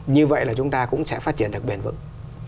như vậy là chúng ta cũng sẽ phát triển được bền vững